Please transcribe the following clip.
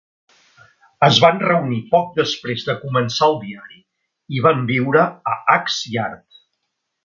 Es van reunir poc després de començar el diari i van viure a Axe Yard.